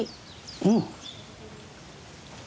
うん。